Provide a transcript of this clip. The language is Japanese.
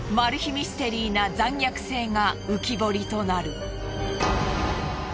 ミステリーな残虐性が浮き彫りとなる。